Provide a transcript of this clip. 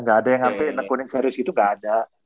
gak ada yang hampir nekunin serius gitu gak ada